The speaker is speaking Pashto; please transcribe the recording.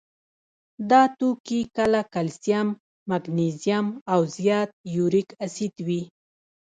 دا توکي کله کلسیم، مګنیزیم او زیات یوریک اسید وي.